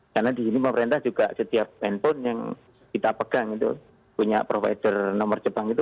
karena di sini pemerintah juga setiap handphone yang kita pegang itu punya provider nomor jebang itu